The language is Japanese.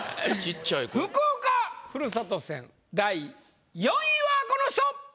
福岡ふるさと戦第４位はこの人！